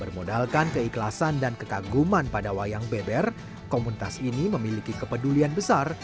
bermodalkan keikhlasan dan kekaguman pada wayang beber komunitas ini memiliki kepedulian besar